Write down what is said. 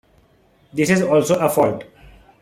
This is also a "fault".